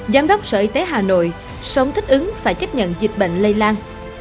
giám đốc sở y tế hà nội sống thích ứng phải chấp nhận dịch bệnh lây lan